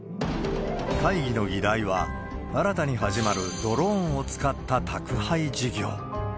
会議の議題は、新たに始まるドローンを使った宅配事業。